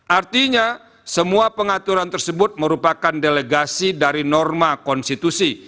artinya semua pengaturan tersebut merupakan delegasi dari norma konstitusi